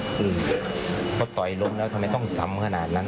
พวกเธอต่อยลมแล้วทำไมต้องสำขนาดนั้น